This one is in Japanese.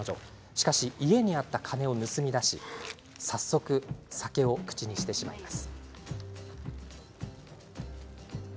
しかし家にあった金を盗み出し早速酒を口にしてしまいます。